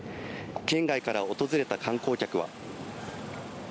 県外から訪れた観光客は。